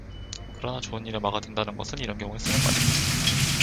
그러나 좋은 일에 마가 든다는 것은 이런 경우에 쓰는 말일까.